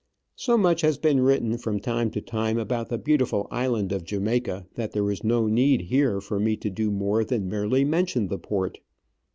So much has been written from time to time about the beautiful island of Jamaica that there is no need here for me to do more than merely mention the port.